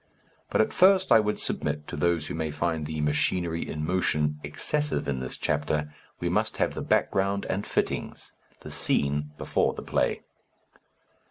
But at first I would submit to those who may find the "machinery in motion" excessive in this chapter, we must have the background and fittings the scene before the play.